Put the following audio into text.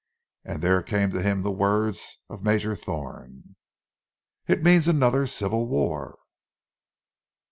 And there came to him the words of Major Thorne: "It means another civil war!"